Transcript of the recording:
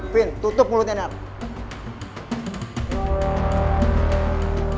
fin tutup mulutnya nart